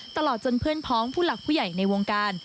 ตลอดจนเพื่อนพ้องผู้หลักผู้ใหญ่ในวงการ